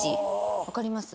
分かります？